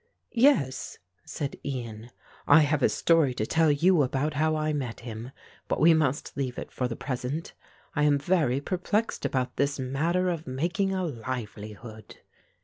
"Yes," said Ian, "I have a story to tell you about how I met him, but we must leave it for the present. I am very perplexed about this matter of making a livelihood."